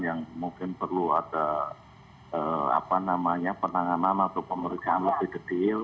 yang mungkin perlu ada penanganan atau pemeriksaan lebih detail